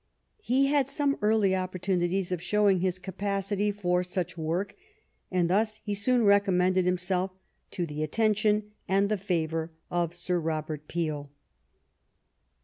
He had some early opportunities of show ing his capacity for such work, and thus he soon recommended himself to the attention and the favor of Sir Robert Peel.